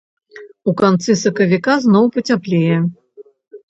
У канцы сакавіка зноў пацяплее.